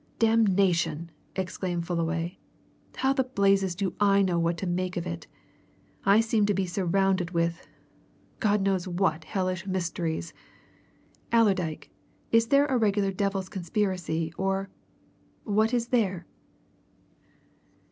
"Damnation!" exclaimed Fullaway. "How the blazes do I know what to make of it! I seem to be surrounded with God knows what hellish mysteries! Allerdyke, is there a regular devil's conspiracy, or what is there?"